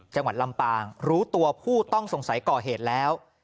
จังหวัดลำปางรู้ตัวผู้ต้องสงสัยก่อเหตุแล้ว